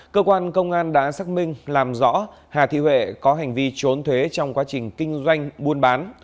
cơ quan công an đã xác minh làm rõ hà thị huệ có hành vi trốn thuế trong quá trình kinh doanh buôn bán